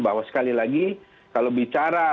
bahwa sekali lagi kalau bicara